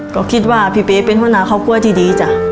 ก็คิดว่าพี่เป๊เป็นหัวหน้าครอบครัวที่ดีจ้ะ